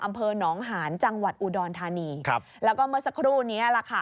อำเภอหนองหานจังหวัดอุดรธานีครับแล้วก็เมื่อสักครู่นี้แหละค่ะ